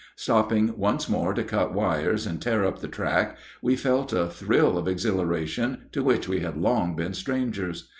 Stopping once more to cut wires and tear up the track, we felt a thrill of exhilaration to which we had long been strangers.